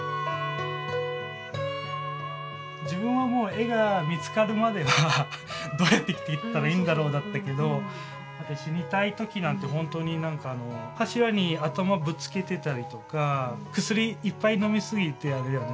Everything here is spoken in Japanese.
自分はもう絵が見つかるまではどうやって生きていったらいいんだろうだったけど死にたいときなんて本当に何か柱に頭ぶつけてたりとか薬いっぱいのみ過ぎてあれだよね